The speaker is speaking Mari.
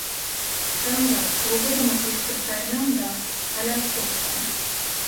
Шаҥгак, волгыдынак, лектын каенам да алят коштам...